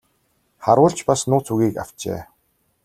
Харуул ч бас нууц үгийг авчээ.